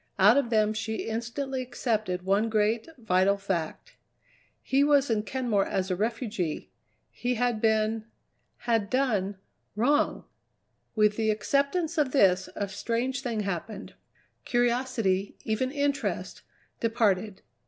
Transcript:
Out of them she instantly accepted one great, vital fact: he was in Kenmore as a refugee; he had been had done wrong! With the acceptance of this, a strange thing happened. Curiosity, even interest, departed.